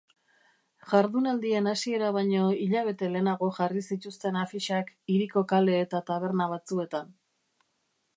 Jardunaldien hasiera baino hilabete lehenago jarri zituzten afixak hiriko kale eta taberna batzuetan.